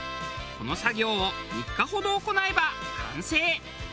この作業を３日ほど行えば完成。